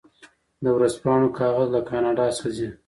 د ورځپاڼو کاغذ له کاناډا څخه ځي.